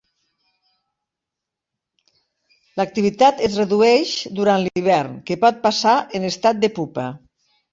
L'activitat es redueix durant l'hivern, que pot passar en estat de pupa.